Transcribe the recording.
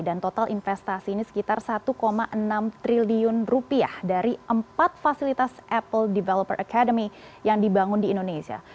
dan total investasi ini sekitar rp satu enam triliun dari empat fasilitas apple developer academy yang dibangun di indonesia